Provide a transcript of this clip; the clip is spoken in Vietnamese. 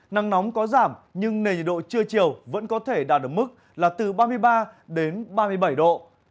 nắng nóng có giảm nhưng nền nhiệt độ trưa chiều vẫn có thể đạt được mức là từ ba mươi ba đến ba mươi bảy độ